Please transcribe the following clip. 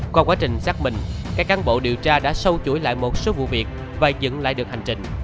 qua quá trình xác minh các cán bộ điều tra đã sâu chuỗi lại một số vụ việc và dựng lại được hành trình